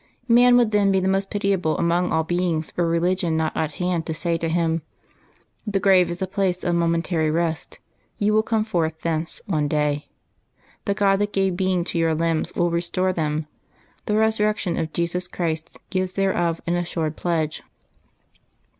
Man would then be the most pitiable among all beings were Eeligion not at hand to say to him, " The grave is a place of momentary rest; yon will come forth thence one day. The God that gave being to your limbs will re store them ; the Eesurreetion of Jesus Christ gives thereof an assured pledge."